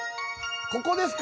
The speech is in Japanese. ここですか？